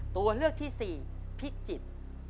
ตัวเลือกที่สี่พิจิตร